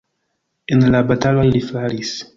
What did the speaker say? En la bataloj li falis.